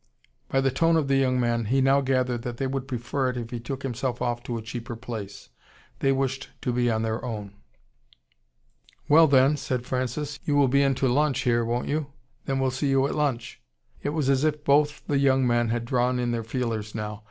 By the tone of the young men, he now gathered that they would prefer it if he took himself off to a cheaper place. They wished to be on their own. "Well, then," said Francis, "you will be in to lunch here, won't you? Then we'll see you at lunch." It was as if both the young men had drawn in their feelers now.